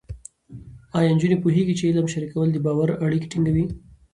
ایا نجونې پوهېږي چې علم شریکول د باور اړیکې ټینګوي؟